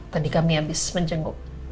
tadi kami habis menjenguk